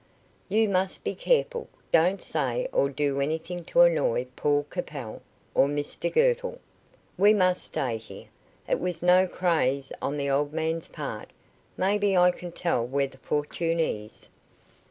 "You must be careful. Don't say or do anything to annoy Paul Capel or Mr Girtle. We must stay here. It was no craze on the old man's part; maybe I can tell where the fortune is."